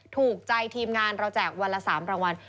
ถูกใจทีมงานเราแจกวันละ๓รางวัล